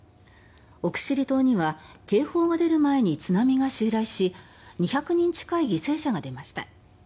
奥尻島には警報が出る前に津波が襲来し２００人近い犠牲者が出ました。